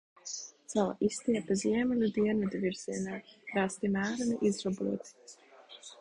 Sala izstiepta ziemeļu–dienvidu virzienā, krasti mēreni izroboti.